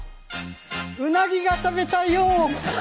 うなぎが食べたいよ。